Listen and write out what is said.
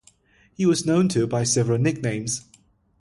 He was known to by several nicknames.